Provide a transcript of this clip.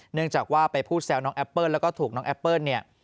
เนื่องจากว่าไปพูดแซวน้องแอปเปิ้ลแล้วก็ถูกน้องแอปเปิ้ลเนี่ย